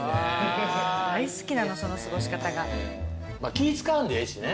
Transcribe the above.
気ぃ使わんでええしね。